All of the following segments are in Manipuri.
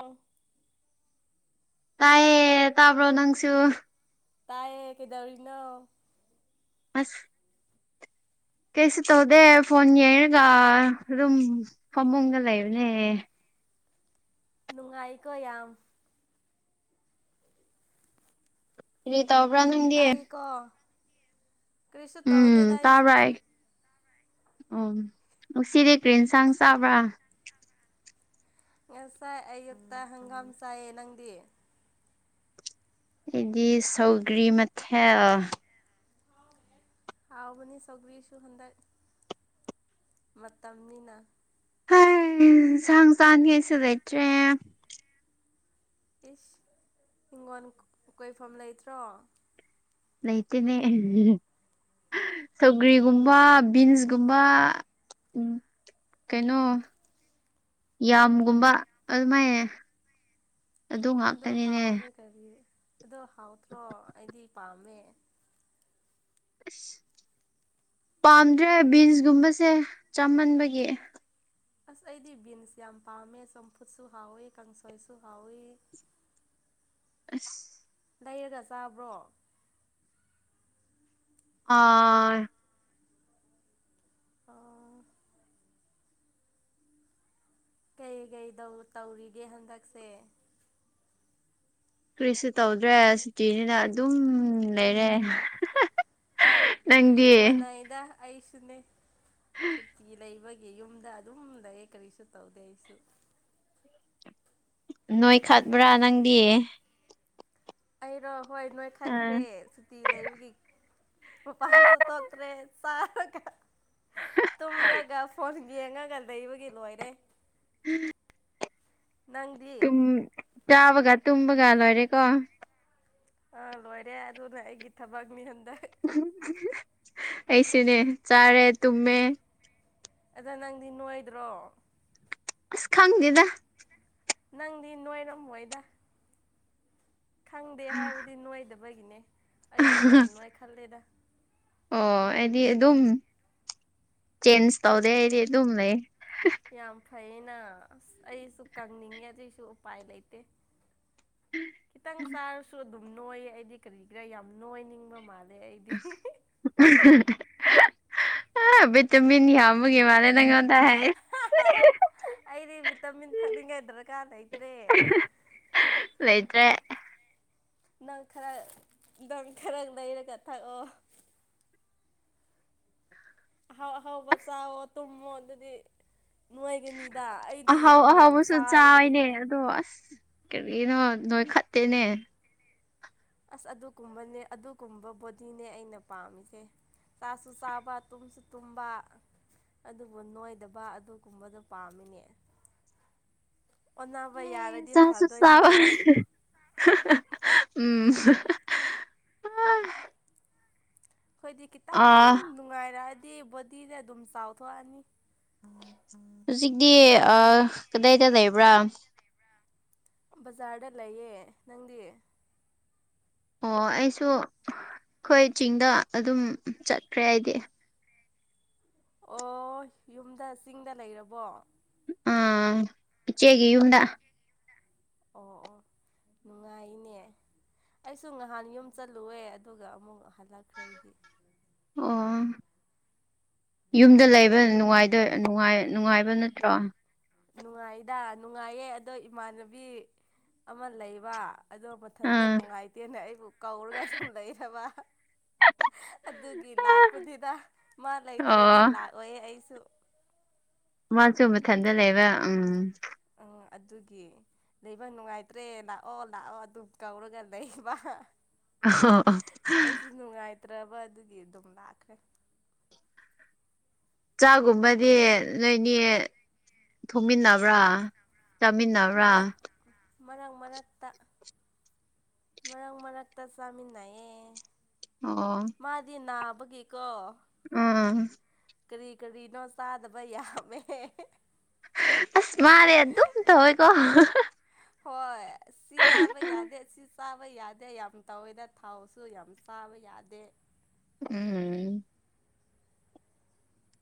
ꯑꯣ ꯇꯥꯏꯌꯦ ꯇꯥꯕ꯭ꯔꯣ ꯅꯪꯁꯨ ꯇꯥꯏꯌꯦ ꯀꯩꯗꯧꯔꯤꯅꯣ ꯑꯁ ꯀꯩꯁꯨ ꯇꯧꯗꯦ ꯐꯣꯟ ꯌꯦꯡꯔꯒ ꯑꯗꯨꯝ ꯐꯃꯨꯡꯗ ꯂꯩꯕꯅꯦ ꯅꯨꯡꯉꯥꯏꯀꯣ ꯌꯥꯝ ꯔꯤ ꯇꯧꯕ꯭ꯔꯥ ꯅꯪꯗꯤ ꯀꯣ ꯀ꯭ꯔꯤꯁꯨ ꯇꯧꯗꯦꯗꯥ ꯎꯝ ꯑꯩꯁꯨ ꯇꯥꯕ꯭ꯔꯥ ꯑꯩ ꯎꯝ ꯉꯁꯤꯗꯤ ꯀꯔꯤ ꯏꯟꯁꯥꯡ ꯆꯥꯕ꯭ꯔꯥ ꯉꯁꯥꯏ ꯑꯌꯨꯛꯇ ꯍꯪꯒꯥꯝ ꯆꯥꯏꯌꯦ ꯅꯪꯗꯤ ꯑꯩꯗꯤ ꯁꯧꯒ꯭ꯔꯤ ꯃꯊꯦꯜ ꯍꯥꯎꯕꯅꯤ ꯁꯧꯒꯔ꯭ꯤꯁꯨ ꯍꯟꯗꯛ ꯃꯇꯝꯅꯤꯅ ꯍꯩ ꯁꯡ ꯆꯥꯟꯅꯤꯉꯥꯏꯁꯨ ꯂꯩꯇ꯭ꯔꯦ ꯏꯁ ꯍꯤꯡꯒꯣꯟ ꯀꯣꯏꯐꯝ ꯂꯩꯇ꯭ꯔꯣ ꯂꯩꯇꯅꯦ ꯁꯧꯒ꯭ꯔꯤꯒꯨꯝꯕ ꯕꯤꯟꯁꯒꯨꯝꯕ ꯎꯝ ꯀꯩꯅꯣ ꯌꯥꯝꯒꯨꯝꯕ ꯑꯗꯨꯃꯥꯏꯌꯦ ꯑꯗꯣ ꯍꯥꯎꯔꯦ ꯀꯔꯤ ꯑꯗꯣ ꯍꯥꯎꯇ꯭ꯔꯣ ꯑꯩꯗꯤ ꯄꯥꯝꯃꯦ ꯑꯁ ꯄꯥꯝꯗ꯭ꯔꯦ ꯕꯤꯟꯁꯒꯨꯝꯕꯁꯦ ꯆꯥꯃꯟꯕꯒꯤ ꯑꯁ ꯑꯩꯗꯤ ꯕꯤꯟꯁ ꯌꯥꯝ ꯄꯥꯝꯃꯦ ꯆꯝꯐꯨꯠꯁꯨ ꯍꯥꯎꯏꯤ ꯀꯥꯡꯁꯣꯏꯁꯨ ꯍꯥꯎꯏꯤ ꯑꯁ ꯂꯩꯔꯒ ꯆꯥꯕ꯭ꯔꯣ ꯑꯥ ꯑꯣ ꯀꯩ ꯀꯩ ꯇꯧ ꯇꯧꯔꯤꯒꯦ ꯍꯟꯗꯛꯁꯦ ꯀ꯭ꯔꯤꯁꯨ ꯇꯧꯗ꯭ꯔꯦ ꯁꯨꯇꯤꯅꯤꯅ ꯑꯗꯨꯝ ꯂꯩꯔꯦ ꯅꯪꯗꯤ ꯃꯅꯥꯏꯗ ꯑꯩꯁꯨꯅꯦ ꯁꯨꯇꯤ ꯂꯩꯕꯒꯤ ꯒꯤ ꯌꯨꯝꯗ ꯑꯗꯨꯝ ꯂꯩꯌꯦ ꯀꯔꯤꯁꯨ ꯇꯧꯗꯦ ꯑꯩꯁꯨ ꯅꯣꯏ ꯈꯠꯕ꯭ꯔꯥ ꯅꯪꯗꯤ ꯑꯩꯔꯣ ꯍꯣꯏ ꯅꯣꯏ ꯑ ꯈꯠꯈ꯭ꯔꯦ ꯁꯨꯇꯤ ꯂꯩꯕꯒꯤ ꯄ‌ꯣꯄꯥꯡꯁꯨ ꯇꯠꯈ꯭ꯔꯦ ꯆꯥꯔꯒ ꯇꯨꯝꯔꯒ ꯐꯣꯟ ꯌꯦꯡꯉꯒ ꯂꯩꯕꯒꯤ ꯂꯣꯏꯔꯦ [unintelligible] ꯅꯪꯗꯤ ꯎꯝ ꯆꯥꯕꯒ ꯇꯨꯝꯕꯒ ꯂꯣꯏꯔꯦꯀꯣ ꯑꯥ ꯂꯣꯏꯔꯦ ꯑꯗꯨꯅ ꯑꯩꯒꯤ ꯊꯕꯛꯅꯤ ꯍꯟꯗꯛ ꯑꯩꯁꯤꯅꯦ ꯆꯥꯔꯦ ꯇꯨꯝꯃꯦ ꯑꯗ ꯅꯪꯗꯤ ꯅꯣꯏꯗ꯭ꯔꯣ ꯑꯁ ꯈꯪꯗ‌ꯦꯗ ꯅꯪꯗꯤ ꯅꯣꯏꯔꯝꯃꯣꯏꯗ ꯈꯪꯗꯦ ꯍꯥꯏꯕꯗꯤ ꯅꯣꯏꯗꯕꯒꯤꯅꯦ ꯑꯩꯗꯤ ꯌꯥꯝ ꯅꯣꯏꯈꯠꯂꯦꯗ ꯑꯣ ꯑꯩꯗꯤ ꯑꯗꯨꯝ ꯆꯦꯟꯖ ꯇꯧꯗꯦ ꯑꯩꯗꯤ ꯑꯗꯨꯝ ꯂꯩ ꯌꯥꯝ ꯐꯩꯌ‌ꯦꯅꯥ ꯑꯁ ꯑꯩꯁꯨ ꯀꯪꯅꯤꯡꯉꯦ ꯑꯗꯨꯏꯁꯨ ꯎꯄꯥꯏ ꯂꯩꯇꯦ ꯈꯤꯇꯪ ꯆꯥꯔꯁꯨ ꯑꯗꯨꯝ ꯅꯣꯏꯌꯦ ꯑꯩꯗꯤ ꯀꯔꯤꯒꯤꯔꯥ ꯌꯥꯝ ꯅꯣꯏꯅꯤꯡꯕ ꯃꯥꯜ [unintelligible] ꯑꯥ ꯕꯤꯠ ꯇꯃꯤꯟ ꯌꯥꯝꯕꯒꯤ ꯃꯥꯂ‌ꯦ ꯅꯪꯉꯣꯟꯗ ꯍꯥꯏ [unintelligible] ꯑꯩꯗꯤ ꯕꯤ ꯇꯃꯤꯟ ꯊꯛꯅꯤꯡꯉꯥꯏ ꯗꯔꯀꯥꯔ ꯂꯩꯇ꯭ꯔꯦ ꯂꯩꯇ꯭ꯔꯦ ꯅꯪ ꯈꯔ ꯅꯪ ꯈꯔ ꯂꯩꯔꯒ ꯊꯛꯑꯣ ꯑꯍꯥꯎ ꯑꯍꯥꯎꯕ ꯆꯥꯎꯋꯣ ꯇꯨꯝꯃꯣ ꯑꯗꯨꯗꯤ ꯅ‌ꯣꯏꯒꯅꯤ ꯑꯍꯥꯎ ꯑꯍꯥꯎꯕꯁꯨ ꯆꯥꯏꯅꯦ ꯑꯗꯨꯒꯤꯅꯤ ꯑꯗ‌ꯣ ꯑꯁ ꯀꯔꯤꯅꯣ ꯅꯣꯏ ꯈꯠꯇꯦꯅꯦ ꯑꯁ ꯑꯗꯨꯒꯨꯝꯕꯅꯦ ꯑꯗꯨꯒꯨꯝꯕ ꯕꯣꯗꯤꯅꯦ ꯑꯩꯅ ꯄꯥꯝꯃꯤꯁꯦ ꯆꯥꯁꯨ ꯆꯥꯕ ꯇꯨꯝꯁꯨ ꯇꯨꯝꯕ ꯑꯗꯨꯕꯨ ꯅꯣꯏꯗꯕ ꯑꯗꯨꯒꯨꯝꯕꯗꯣ ꯄꯥꯝꯃꯤꯅꯦ ꯑꯣꯟꯅꯕ ꯌꯥꯔ ꯆꯥꯁꯨ ꯆꯥꯕ ꯎꯝ ꯈ‌ꯣꯏꯗꯤ ꯈꯤꯠ ꯑꯥ ꯅꯨꯡꯉꯥꯏꯔꯑꯗꯤ ꯕꯣꯗꯤꯗ ꯑꯗꯨꯝ ꯆꯥꯎꯊꯣꯛꯑꯅꯤ ꯍꯨꯖꯤꯛꯗꯤ ꯑꯥ ꯀꯗꯥꯏꯗ ꯂꯩꯕ꯭ꯔꯥ ꯕꯖꯥꯔꯗ ꯂꯩꯌꯦ ꯅꯪꯗꯤ ꯑꯣ ꯑꯩꯁꯨ ꯑꯩꯈꯣꯏ ꯆꯤꯡꯗ ꯑꯗꯨꯝ ꯆꯠꯈ꯭ꯔꯦ ꯑꯩꯗꯤ ꯑꯣ ꯌꯨꯝꯗ ꯆꯤꯡꯗ ꯂꯩꯔꯕꯣ ꯑꯥꯡ ꯏꯆꯦꯒꯤ ꯌꯨꯝꯗꯥ ꯆ‌ꯦꯒꯤ ꯌꯨꯝꯗꯥ ꯑꯣ ꯑꯣ ꯅꯨꯡꯉꯥꯏꯅꯦ ꯑꯩꯁꯨ ꯉꯥꯍꯥꯟ ꯌꯨꯝ ꯆꯠꯂꯨꯋ‌ꯦ ꯑꯗꯨꯒ ꯑꯃꯨꯛ ꯍꯜꯂꯛꯈ꯭ꯔꯦ ꯑꯩꯗꯤ ꯑꯣ ꯌꯨꯝꯗ ꯂꯩ ꯕ ꯅꯨꯡꯉꯥꯏꯗ‌ꯣꯏ ꯅꯨꯡꯉꯥꯏ ꯅꯨꯡꯉꯥꯏꯕ ꯅꯠꯇ꯭ꯔꯣ ꯅꯨꯡꯉꯥꯏꯗꯥ ꯅꯨꯡꯉꯥꯏꯌꯦ ꯑꯗꯣ ꯏꯃꯥꯟꯅꯕꯤ ꯑꯃ ꯂꯩꯕꯥ ꯑꯗꯣ ꯃꯊꯟꯇ ꯑꯥ ꯅꯨꯡꯉꯥꯏꯇꯦꯅꯥ ꯑꯩꯕꯨ ꯀꯧꯔꯒ ꯑꯗꯨꯝ ꯂꯩꯔꯕꯥ ꯑꯗꯨꯒꯤ ꯂꯥꯛꯄꯅ‌ꯦꯗꯥ ꯃꯥ ꯂꯩꯇ꯭ꯔꯗꯤ ꯑꯣ ꯂꯥꯛꯑꯣꯏ ꯑꯩꯁꯨ ꯃꯥꯁꯨ ꯃꯊꯟꯇ ꯂꯩꯕ ꯎꯝ ꯑꯥ ꯑꯗꯨꯒꯤ ꯂꯩꯕ ꯅꯨꯡꯉꯥꯏꯇ꯭ꯔꯦ ꯂꯥꯛꯑꯣ ꯂꯥꯛꯑꯣ ꯑꯗꯨꯝ ꯀꯧꯔꯒ ꯂꯩꯕꯥ ꯑ ꯅꯨꯡꯉꯥꯏꯇ꯭ꯔꯕ ꯑꯗꯨꯒꯤ ꯑꯗꯨꯝ ꯂꯥꯛꯈ꯭ꯔꯦ ꯆꯥꯒꯨꯝꯕꯗꯤ ꯅꯣꯏꯅꯤ ꯊꯣꯡꯃꯤꯟꯅꯕ꯭ꯔꯥ ꯆꯃꯤꯟꯅꯕ꯭ꯔꯥ ꯃꯔꯛ ꯃꯔꯛ ꯃꯔꯛꯇ ꯃꯔꯛ ꯃꯔꯛꯇ ꯆꯥꯃꯤꯟꯅꯩꯑꯦ ꯑꯣ ꯃꯥꯗꯤ ꯅꯥꯕꯒꯤꯀꯣ ꯎꯝ ꯎꯝ ꯀꯔꯤ ꯀꯔꯤꯅꯣ ꯆꯥꯗꯕ ꯌꯥꯝꯃꯦ ꯃꯥꯔꯦ ꯑꯗꯨꯝ ꯇꯧꯏ ꯀꯣ ꯍꯣꯏ ꯁꯤ ꯆꯥꯕ ꯌꯥꯗꯦ ꯁꯤ ꯆꯥꯕ ꯌꯥꯗꯦ ꯌꯥꯝ ꯇꯧꯋꯦꯗ ꯊꯥꯎꯁꯨ ꯌꯥꯝ ꯆꯥꯕ ꯌꯥꯗꯦ ꯎꯝ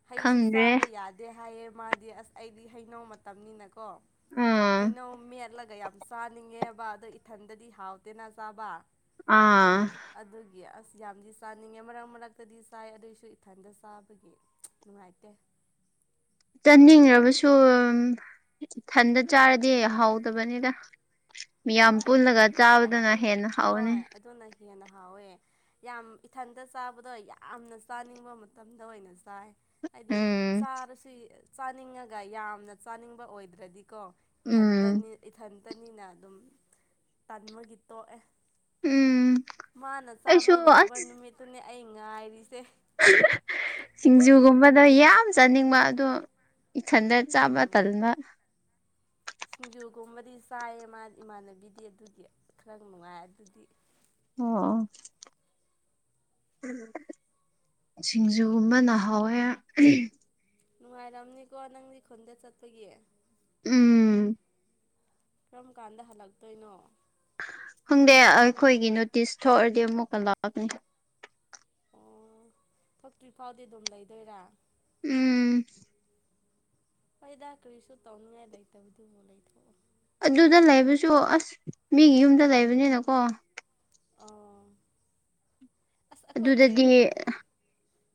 ꯍꯩꯁꯨ ꯈꯪꯗ꯭ꯔꯦ ꯆꯥꯕ ꯌꯥꯗꯦ ꯍꯥꯏꯌꯦ ꯃꯥꯗꯤ ꯑꯁ ꯑꯩꯗꯤ ꯍꯩꯅꯧ ꯃꯇꯝ ꯃꯇꯝꯅꯤꯅꯀꯣ ꯎꯝ ꯍꯩꯅꯧ ꯃꯦꯠꯂꯒ ꯌꯥꯝ ꯆꯥꯅꯤꯡꯉꯦꯕ ꯑꯗꯣ ꯏꯊꯟꯗꯗꯤ ꯍꯥꯎꯇꯦꯅ ꯆꯥꯕ ꯑꯥ ꯑꯗꯨꯒꯤ ꯑꯁ ꯌꯥꯝꯗꯤ ꯆꯥꯅꯤꯡꯉꯦ ꯃꯔꯛ ꯃꯔꯛꯇꯗꯤ ꯆꯥꯏ ꯑꯗꯨꯏꯁꯨ ꯏꯊꯟꯇ ꯆꯥꯕꯒꯤ ꯅꯨꯡꯉꯥꯏꯇꯦ ꯆꯥꯅꯤꯡꯔꯕꯁꯨ ꯢꯊꯟꯗ ꯆꯥꯔꯗꯤ ꯍꯥꯎꯇꯕꯅꯤꯗ ꯃꯤꯌꯥꯝ ꯍꯣꯏ ꯄꯨꯜꯂꯒ ꯆꯥꯕꯗꯨꯅ ꯌꯥꯝ ꯍꯦꯟꯅ ꯍꯥꯎꯕꯅꯤ ꯍꯣꯏ ꯑꯗꯨꯅ ꯍꯦꯟꯅ ꯍꯥꯎꯋꯦ ꯌꯥꯝ ꯏꯊꯟꯇ ꯆꯥꯕꯗꯣ ꯌꯥꯝꯅ ꯆꯥꯅꯤꯡꯕ ꯃꯇꯝꯗ ꯑꯣꯏꯅ ꯆꯥꯏ ꯍꯥꯏꯗꯤ ꯎꯝ ꯆꯥꯔꯁꯨ ꯆꯥꯅꯤꯡꯉꯒ ꯌꯥꯝꯅ ꯆꯥꯅꯤꯡꯕ ꯑꯣꯏꯗ꯭ꯔꯗꯤꯀꯣ ꯎꯝ ꯏꯊꯟꯇꯅꯤ ꯏꯊꯟꯇꯅꯤꯅ ꯑꯗꯨꯝ ꯇꯟꯃꯒꯤ ꯇꯣꯛꯑꯦ ꯎꯝ ꯃꯥꯅ ꯆꯥꯕ ꯑꯩꯁꯨ ꯌꯥꯕ ꯑꯁ ꯅꯨꯃꯤꯠꯇꯨꯅꯦ ꯑꯩ ꯉꯥꯏꯔꯤꯁꯦ ꯁꯤꯡꯖꯨꯒꯨꯝꯕꯗꯣ ꯌꯥꯝ ꯆꯥꯅꯤꯡꯕ ꯑꯗꯣ ꯏꯊꯟꯗ ꯆꯥꯕ ꯎꯝ ꯇꯜꯃ ꯁꯤꯡꯖꯨꯒꯨꯝꯕꯗꯤ ꯆꯥꯏꯌꯦ ꯃꯥ ꯏꯃꯥꯟꯅꯕꯤꯗꯤ ꯑꯗꯨꯗꯤ ꯈꯔ ꯅꯨꯡꯉꯥꯏ ꯑꯗꯨꯗꯤ ꯑꯣ ꯁꯤꯡꯖꯨꯒꯨꯝꯕꯅ ꯍꯥꯎꯋꯦ ꯅꯨꯡꯉꯥꯏꯔꯝꯅꯤꯀꯣ ꯅꯪꯗꯤ ꯈꯨꯟꯗ ꯆꯠꯄꯒꯤ ꯎꯝ ꯀꯔꯝ ꯀꯥꯟꯗ ꯍꯜꯂꯛꯇꯣꯏꯅꯣ ꯈꯪꯗꯦ ꯑꯩꯈꯣꯏꯒꯤ ꯅꯣꯇꯤꯁ ꯊꯣꯛꯑꯗꯤ ꯑꯃꯨꯛꯀ ꯂꯥꯛꯑꯒꯅꯤ ꯑꯣ ꯊꯣꯛꯇ꯭ꯔꯤ ꯐꯥꯎꯗꯤ ꯑꯗꯨꯝ ꯂꯩꯗꯣꯏꯔꯥ ꯎꯝ ꯍꯣꯏꯗ ꯀꯔꯤꯁꯨ ꯇꯧꯅꯤꯡꯉꯥꯏ ꯂꯩꯇꯕꯗꯨꯕꯨ ꯂꯩꯊꯣꯛꯑꯣ ꯑꯗꯨꯗ ꯂꯩꯕꯁꯨ ꯑꯁ ꯃꯤꯒꯤ ꯌꯨꯝꯗ ꯂꯩꯕꯅꯤꯅꯀꯣ ꯑꯥꯎ ꯑꯩꯈꯣꯏꯒꯤ ꯑꯗꯨꯗꯗꯤ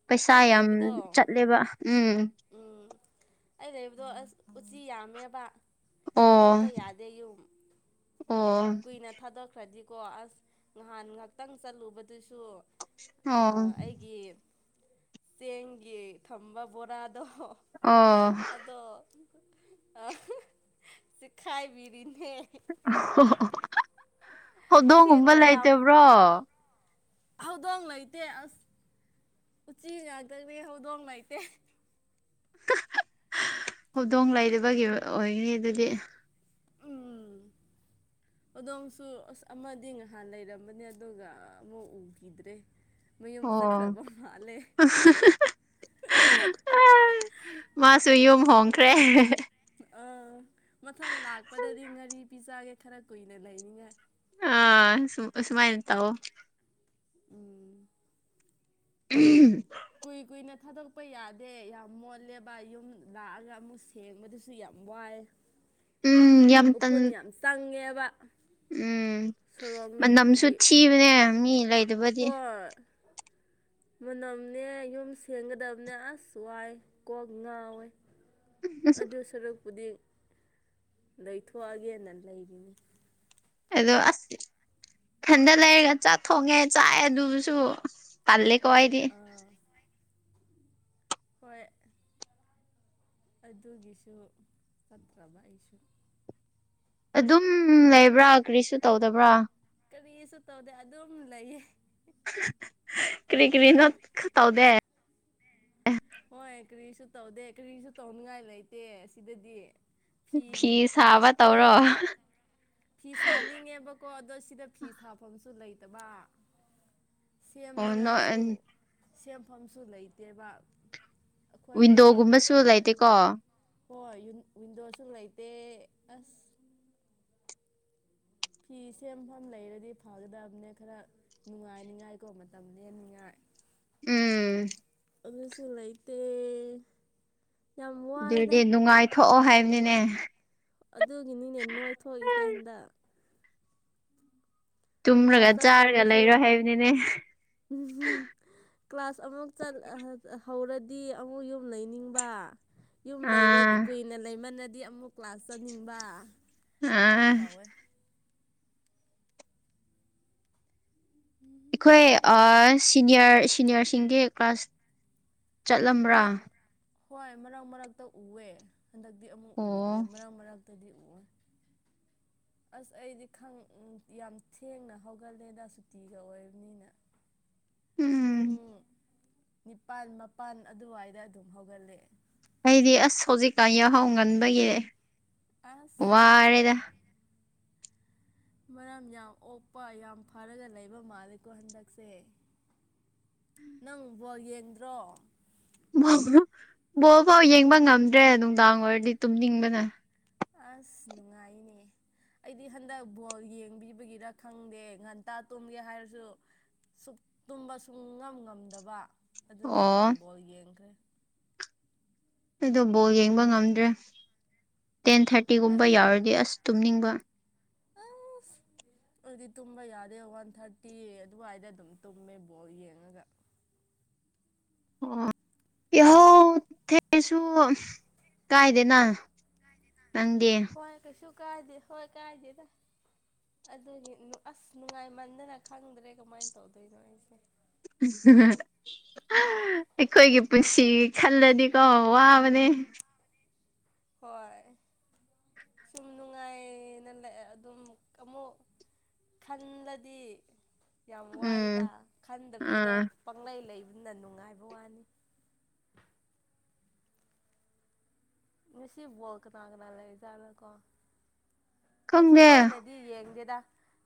ꯄꯩꯁꯥ ꯑꯩ ꯌꯥꯝ ꯂꯩꯕꯗꯣ ꯆꯠꯂꯦꯕ ꯎꯝ ꯎꯝ ꯑꯩ ꯂꯩꯕꯗꯣ ꯑꯁ ꯎꯆꯤ ꯌꯥꯝꯃꯦꯕ ꯊꯥꯗꯣꯛꯄ ꯑꯣ ꯌꯥꯗꯦ ꯑꯣ ꯀꯨꯢꯅ ꯊꯥꯗꯣꯛꯈ꯭ꯔꯗꯤꯀꯣ ꯑꯁ ꯅꯍꯥꯟ ꯉꯍꯥꯛꯇꯪ ꯆꯠꯂꯨꯕꯗꯨꯁꯨ ꯑꯣ ꯑꯥ ꯑꯩꯒꯤ ꯆꯦꯡꯒꯤ ꯊꯝꯕ ꯕꯣꯔꯥꯗꯣ ꯑꯣ ꯑꯗꯣ ꯑꯥ ꯆꯤꯛ ꯈꯥꯏꯕꯤꯔꯤꯅꯦ ꯑꯣ ꯍꯧꯗꯣꯡꯒꯨꯝꯕ ꯁꯦꯡꯕ ꯌꯥꯝ ꯂꯩꯇꯕ꯭ꯔꯣ ꯍꯧꯗꯣꯡ ꯂꯩꯇꯦ ꯑꯁ ꯎꯆꯤ ꯉꯥꯛꯇꯅꯤ ꯍꯧꯗꯣꯡ ꯂꯩꯇꯦ ꯍꯧꯗꯣꯡ ꯂꯩꯇꯕꯒꯤ ꯑꯣꯏ ꯑꯣꯏꯒꯅꯤ ꯑꯗꯨꯗꯤ ꯎꯝ ꯍꯧꯗꯣꯡꯁꯨ ꯑꯁ ꯑꯃꯗꯤ ꯉꯍꯥꯟ ꯂꯩꯔꯝꯕꯅꯦ ꯑꯗꯨꯒ ꯑꯃꯨꯛ ꯎꯈꯤꯗ꯭ꯔꯦ ꯃꯌꯨꯝ ꯑꯣ ꯆꯠꯈ꯭ꯔꯕ ꯃꯥꯜꯂꯦ ꯃꯥꯁꯨ ꯌꯨꯝ ꯍꯣꯡꯈ꯭ꯔꯦ ꯑꯥ ꯃꯊꯪ ꯂꯥꯛꯄꯗꯗꯤ ꯉꯥꯔꯤ ꯄꯤꯖꯒꯦ ꯈꯔ ꯀꯨꯏꯅ ꯂꯩꯅꯤꯉꯥꯏ ꯑ ꯑꯁꯨꯝ ꯑꯁꯨꯃꯥꯏꯅ ꯇꯧꯋꯣ ꯎꯝ [unintelligible] ꯀꯨꯏ ꯀꯨꯏꯅ ꯊꯥꯗꯣꯛꯄ ꯌꯥꯗꯦ ꯌꯥꯝ ꯃꯣꯠꯂꯦꯕ ꯌꯨꯝ ꯂꯥꯛꯑꯒ ꯑꯃꯨꯛ ꯁꯦ__ ꯁꯦꯡꯕꯗꯨꯁꯨ ꯌꯥꯝ ꯋꯥꯏ ꯎꯝ ꯌꯥꯝ ꯇꯟ ꯎꯐꯨꯟ ꯌꯥꯝ ꯆꯪꯉꯦꯕ ꯎꯝ ꯁꯣꯔꯣꯛ ꯃꯅꯝꯁꯨ ꯅꯛꯄꯒꯤ ꯊꯤꯕꯅꯦ ꯃꯤ ꯂꯩꯇꯕꯗꯤ ꯍꯣꯏ [inaudible] ꯃꯅꯝꯅꯦ ꯌꯨꯝ ꯁꯦꯡꯒꯗꯕꯅꯦ ꯑꯁ ꯋꯥꯏ ꯀꯣꯛ ꯉꯥꯎꯋꯦ ꯑꯗꯨ ꯁꯔꯨꯛꯄꯨꯗꯤ ꯂꯩꯊꯣꯛꯑꯒꯦꯅ ꯂꯩꯔꯤꯅꯤ ꯑꯗꯣ ꯑꯁ ꯏꯊꯟꯗ ꯂꯩꯔꯒ ꯆꯥꯛ ꯊꯣꯡꯉꯦ ꯆꯥꯛꯑꯦ ꯑꯗꯨꯁꯨ ꯇꯜꯂꯦꯀꯣ ꯑꯩꯗꯤ ꯑꯥ ꯍꯣꯏ ꯑꯗꯨꯒꯤꯁꯨ ꯆꯠꯇ꯭ꯔꯕ ꯑꯩꯁꯨ ꯑꯗꯨꯝ ꯂꯩꯕ꯭ꯔꯥ ꯀꯔꯤꯁꯨ ꯇꯧꯗꯕ꯭ꯔꯥ ꯀꯔꯤꯁꯨ ꯇꯧꯗꯦ ꯑꯗꯨꯝ ꯂꯩꯌꯦ ꯀꯔꯤ ꯀꯔꯤꯅꯣ ꯈꯥ ꯇꯧꯗꯦ ꯍꯣꯏ ꯀꯔꯤꯁꯨ ꯇꯧꯗꯦ ꯀꯔꯤꯁꯨ ꯇꯧꯅꯤꯡꯉꯥꯏ ꯂꯩꯇꯦ ꯁꯤꯗꯗꯤ ꯐꯤ ꯁꯥꯕ ꯇꯧꯔꯣ ꯐꯤ ꯁꯥꯅꯤꯡꯉꯦꯕꯀꯣ ꯑꯗꯣ ꯁꯤꯗ ꯐꯤ ꯁꯥꯐꯝꯁꯨ ꯂꯩꯇꯕ ꯑꯣ ꯁꯦꯝꯅꯤꯡꯉꯥꯏꯁꯨ ꯅꯣꯏ ꯁꯦꯝꯐꯝꯁꯨ ꯂꯩꯇꯦꯕ ꯑꯩꯈꯣꯏ ꯌꯨꯝꯃꯛ ꯋꯤꯟꯗꯣꯒꯨꯝꯕꯁꯨ ꯅꯠꯇꯕꯅꯤꯅ ꯂꯩꯇꯦꯀꯣ ꯍꯣꯏ ꯌꯨꯟ ꯋꯤꯟꯗꯣꯁꯨ ꯂꯩꯇꯦ ꯑꯁ ꯐꯤ ꯁꯦꯝꯐꯝ ꯂꯩꯔꯗꯤ ꯐꯒꯗꯕꯅꯦ ꯈꯔ ꯅꯨꯡꯉꯥꯏꯅꯤꯉꯥꯏꯀꯣ ꯃꯇꯝꯅ ꯂꯦꯟꯅꯤꯉꯥꯏ ꯎꯝ ꯑꯗꯨꯁꯨ ꯂꯩꯇꯦ ꯌꯥꯝ ꯋꯥꯏꯗ ꯑꯗꯨꯗꯤ ꯅꯨꯡꯉꯥꯏꯊꯣꯛꯑꯣ ꯍꯥꯏꯕꯅꯤꯅꯦ ꯑꯗꯨꯒꯤꯅꯤꯅꯦ ꯅꯣꯏ ꯊꯣꯛꯏꯁꯦ ꯍꯟꯗꯛ ꯇꯨꯝꯔꯒ ꯀ꯭ꯂꯥꯁ ꯆꯥꯔꯒ ꯂꯩꯔꯣ ꯍꯥꯏꯕꯅꯤꯅꯦ ꯎꯍꯨꯝ ꯀ꯭ꯂꯥꯁ ꯑꯃꯨꯛ ꯆꯠ ꯍꯧꯔꯗꯤ ꯑꯃꯨꯛ ꯌꯨꯝ ꯂꯩꯅꯤꯡꯕ ꯌꯨꯝ ꯂꯩꯔꯗꯤ ꯑꯥ ꯀꯨꯏꯅ ꯂꯩꯃꯟꯅꯗꯤ ꯑꯃꯨꯛ ꯀ꯭ꯂꯥꯁ ꯆꯠꯅꯤꯡꯕ ꯑꯥ ꯁꯨꯃꯥꯏꯅ ꯇꯧꯋꯦ ꯎꯝ ꯑꯩꯈꯣꯏ ꯑꯥ ꯁꯤꯅꯤꯌꯔ ꯁꯤꯅꯤꯌꯔꯁꯤꯡꯒꯤ ꯀ꯭ꯂꯥꯁ ꯆꯠꯂꯝꯕ꯭ꯔꯥ ꯃꯔꯛ ꯍꯣꯏ ꯃꯔꯛ ꯃꯔꯛꯇ ꯎꯑꯦ ꯍꯟꯗꯛꯇꯤ ꯑꯃꯨꯛ ꯑꯣ ꯎꯗ꯭ꯔꯦ ꯃꯔꯛ ꯃꯔꯛꯇꯗꯤ ꯎ ꯑꯁ ꯑꯩꯗꯤ ꯌꯥꯝ ꯊꯦꯡꯅ ꯍꯧꯒꯠꯂꯦꯗ ꯁꯨꯇꯤꯒ ꯑꯣꯏꯕꯅꯤꯅ [inaudible] ꯄꯨꯡ ꯎꯝ ꯅꯤꯄꯥꯜ ꯃꯄꯜ ꯑꯗꯨꯋꯥꯏꯗ ꯑꯗꯨꯝ ꯍꯧꯒꯠꯂꯦ ꯑꯩꯗꯤ ꯑꯁ ꯍꯧꯖꯤꯛꯀꯥꯟ ꯌꯥꯎꯍꯧ ꯉꯟꯕꯒꯤ ꯑꯁ ꯋꯥꯔꯦꯗ ꯃꯔꯝ ꯌꯥꯝ ꯑꯣꯛꯄ ꯌꯥꯝ ꯐꯔꯒ ꯂꯩꯕ ꯃꯥꯜꯂꯦꯀꯣ ꯍꯟꯗꯛꯁꯦ ꯅꯪ ꯕꯣꯜ ꯌꯦꯡꯗ꯭ꯔꯣ ꯕꯣꯜ ꯐꯧ ꯌꯦꯡꯕ ꯉꯝꯗ꯭ꯔꯦ ꯅꯨꯡꯗꯥꯡ ꯑꯣꯏꯔꯗꯤ ꯇꯨꯝꯅꯤꯡꯕꯅ ꯑꯁ ꯅꯨꯡꯉꯥꯏꯅꯦ ꯑꯩꯗꯤ ꯍꯟꯗꯛ ꯕꯣꯜ ꯌꯦꯡꯕꯤꯕꯒꯤꯔ ꯈꯪꯗꯦ ꯉꯟꯇꯥ ꯇꯨꯝꯒꯦ ꯍꯥꯏꯔꯁꯨ ꯁꯛ ꯇꯨꯝꯕ ꯁꯨꯡ ꯉꯝ ꯉꯝꯗꯕ ꯑꯗꯨꯒꯤ ꯑꯗꯨꯝ ꯑꯣ ꯕꯣꯜ ꯌꯦꯡꯈ꯭ꯔꯦ ꯑꯩꯗꯣ ꯕꯣꯜ ꯌꯦꯡꯕ ꯉꯝꯗ꯭ꯔꯦ ꯇꯦꯟ ꯊꯥꯔꯇꯤꯒꯨꯝꯕ ꯑꯩꯗꯤ ꯌꯥꯎꯔꯗꯤ ꯑꯁ ꯇꯨꯝꯅꯤꯡꯕ ꯑꯥꯁ ꯑꯗꯨꯗꯤ ꯇꯨꯝꯕ ꯌꯥꯗꯦ ꯋꯥꯟ ꯊꯥꯔꯇꯤ ꯑꯗꯨꯋꯥꯏꯗ ꯑꯗꯨꯝ ꯇꯨꯝꯃꯦ ꯕꯣꯜ ꯌꯦꯡꯉꯒ ꯑꯣ ꯌꯥꯍꯧ ꯊꯦꯉꯥꯁꯨ ꯀꯥꯏꯗꯦꯅ ꯅꯪꯗꯤ ꯍꯣꯏ ꯀꯩꯁꯨ ꯀꯥꯏꯗꯦ ꯍꯣꯏ ꯀꯥꯏꯗꯦꯗ ꯑꯗꯨꯒꯤ ꯑꯁ ꯅꯨꯡꯉꯥꯏꯃꯟꯗꯅ ꯈꯪꯗ꯭ꯔꯦ ꯀꯃꯥꯏꯅ ꯇꯧꯗꯣꯏꯅꯣ ꯑꯩꯁꯦ [unintelligible] ꯑꯩꯈꯣꯏꯒꯤ ꯄꯨꯟꯁꯤꯒꯤ ꯈꯜꯂꯗꯤꯀꯣ ꯋꯥꯕꯅꯦ ꯍꯣꯏ ꯁꯨꯝ ꯅꯨꯡꯉꯥꯏꯅ ꯂꯩ ꯑꯗꯨꯝ ꯑꯃꯨꯛ ꯈꯪꯂꯗꯤ ꯌꯥꯝ ꯎꯝ ꯋꯥꯏꯗ ꯈꯟꯗꯕꯤꯗ ꯑꯥ ꯄꯪꯂꯪꯂꯩ ꯂꯩꯕꯅ ꯅꯨꯡꯉꯥꯏꯕ ꯋꯥꯅꯤ ꯉꯁꯤ ꯕꯣꯜ ꯀꯅꯥ ꯀꯅꯥ ꯂꯩꯖꯥꯠꯅꯣ ꯀꯣ ꯑꯩꯁꯨ ꯈꯪꯗꯦ ꯂꯣꯏꯅꯗꯤ ꯌꯦꯡꯗꯦꯗ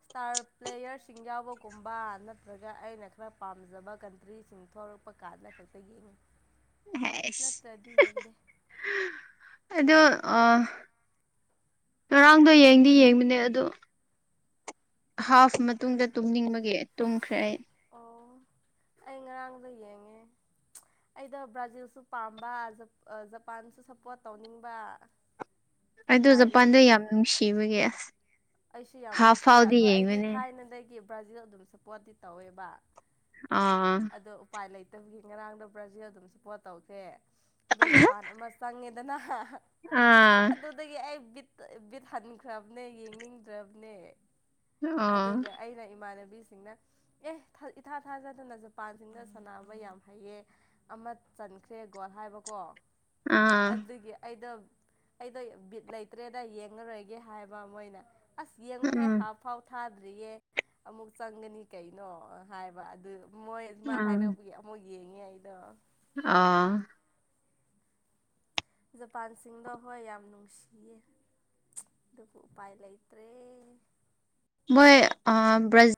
ꯏꯁꯇꯥꯔ ꯄ꯭ꯂꯦꯌꯔꯁꯤꯡ ꯌꯥꯎꯕꯒꯨꯝꯕ ꯅꯠꯇ꯭ꯔꯒ ꯑꯩꯅ ꯈꯔ ꯄꯥꯝꯖꯕ ꯀꯟꯇ꯭ꯔꯤꯁꯤꯡ ꯊꯣꯛꯂꯛꯄ ꯀꯥꯂ ꯈꯛꯇ ꯌꯦ [unintelligible] ꯍꯁ ꯑꯗꯣ ꯑ ꯉꯔꯥꯡꯗꯣ ꯌꯦꯡꯗꯤ ꯌꯦꯡꯕꯅꯦ ꯑꯗꯣ ꯍꯥꯐ ꯃꯇꯨꯡꯗ ꯇꯨꯝꯅꯤꯡꯕꯒꯤ ꯇꯨꯝꯈ꯭ꯔꯦ ꯑꯩ ꯑꯣ ꯑꯩ ꯉꯔꯥꯡꯗꯣ ꯌꯦꯡꯉꯦ ꯑꯩꯗ ꯕ꯭ꯔꯥꯖꯤꯜꯁꯨ ꯄꯥꯝꯕ ꯖꯄꯥꯟꯁꯨ ꯁꯄꯣꯔꯠ ꯇꯧꯅꯤꯡꯕ ꯑꯩꯗꯣ ꯎꯄꯥꯏ ꯖꯄꯥꯟꯗ ꯂꯩꯇ꯭ꯔꯦ ꯌꯥꯝ ꯅꯨꯡꯁꯤꯕꯒꯤ ꯑꯩꯁꯨ ꯌꯥꯝ ꯍꯥꯐ ꯅꯨꯡꯁꯤꯌꯦ ꯐꯥꯎꯗꯤ ꯑꯗꯣ ꯑꯩꯗꯤ ꯌꯦꯡꯕꯅꯦ ꯊꯥꯏꯅꯗꯒꯤ ꯕ꯭ꯔꯥꯖꯤꯜ ꯑꯗꯨꯝ ꯁꯞꯄꯣꯔꯠꯇꯤ ꯇꯧꯋꯦꯕ ꯑ ꯑꯗꯣ ꯎꯄꯥꯏ ꯂꯩꯇꯕꯒꯤ ꯉꯔꯥꯡꯗꯣ ꯕ꯭ꯔꯥꯖꯤꯜ ꯑꯗꯨꯝ ꯁꯞꯄꯣꯔꯠ ꯇꯧꯈꯦ ꯑꯗꯣ ꯖꯄꯥꯟ ꯑꯃ ꯆꯪꯉꯦ ꯅ [unintelligible] ꯑꯥ ꯑꯗꯨꯗꯒꯤ ꯑꯩ ꯕꯤꯠ ꯕꯤꯠ ꯍꯟꯈ꯭ꯔꯕꯅꯦ ꯌꯦꯡꯅꯤꯡꯗ꯭ꯔꯕꯅꯦ ꯑꯣ ꯑꯗꯨꯒ ꯑꯩꯅ ꯏꯃꯥꯟꯅꯕꯤꯁꯤꯡꯅ ꯑꯦ ꯊꯥ ꯏꯊꯥ ꯊꯥꯖꯗꯅ ꯖꯄꯥꯟꯁꯤꯡꯅ ꯁꯥꯟꯅꯕ ꯌꯥꯝ ꯍꯩꯌꯦ ꯑꯃ ꯆꯟꯈ꯭ꯔꯦ ꯒꯣꯜ ꯍꯥꯏꯕꯀꯣ ꯑꯥ ꯑꯗꯨꯒꯤ ꯑꯩꯗꯣ ꯑꯩꯗꯣ ꯕꯤꯠ ꯂꯩꯇ꯭ꯔꯦꯗ ꯌꯦꯡꯉꯔꯣꯏꯒꯦ ꯍꯥꯏꯕ ꯃꯣꯏꯅ ꯑꯁ ꯌꯦꯡꯉꯨꯍꯦ ꯎꯝ ꯍꯥꯞ ꯐꯥꯎ ꯊꯥꯗ꯭ꯔꯤꯌꯦ ꯑꯃꯨꯛ ꯆꯪꯒꯅꯤ ꯀꯩꯅꯣ ꯍꯥꯏꯕ ꯑꯗꯨ ꯃꯣꯏ ꯑꯗꯨꯃꯥꯏ ꯎꯝ ꯍꯥꯏꯔꯛꯄꯒꯤ ꯑꯃꯨꯛ ꯌꯦꯡꯉꯦ ꯑꯩꯗꯣ ꯑꯥ ꯖꯄꯥꯟꯁꯤꯡꯗꯣ ꯍꯣꯏ ꯌꯥꯝ ꯅꯨꯡꯁꯤꯌꯦ ꯑꯗꯨꯕꯨ ꯎꯄꯥꯏ ꯂꯩꯇ꯭ꯔꯦ ꯃꯣꯏ ꯑ ꯕ꯭ꯔꯖ